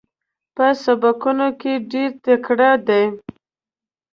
په سبقونو کې ډېره تکړه ده.